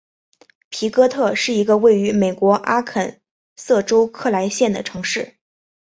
皮哥特是一个位于美国阿肯色州克莱县的城市。